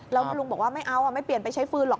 แล้วลุงบอกว่าไม่เอาไม่เปลี่ยนไปใช้ฟืนหรอก